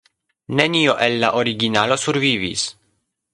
Nenio el la originalo survivis.